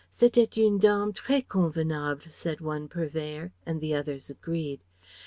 "C'etait une dame très convenable," said one purveyor, and the others agreed.